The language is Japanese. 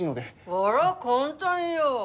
あら簡単よ。